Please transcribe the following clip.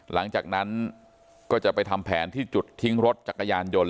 หลังจากนั้นก็จะไปทำแผนที่จุดทิ้งรถจักรยานยนต์